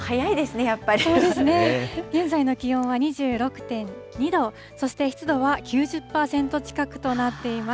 そうですね、現在の気温は２６．２度、そして、湿度は９０％近くとなっています。